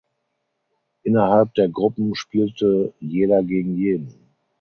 Innerhalb der Gruppen spielte jeder gegen jeden.